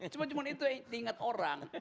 cuma cuma itu diingat orang